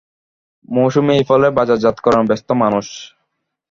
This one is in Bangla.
মৌসুমি এই ফলের বাজারজাতকরণে ব্যস্ত মানুষ।